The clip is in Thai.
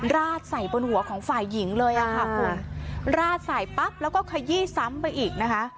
ราดใส่บนหัวของฝ่ายหญิงเลยอ่ะค่ะคุณราดใส่ปั๊บแล้วก็ขยี้ซ้ำไปอีกนะคะ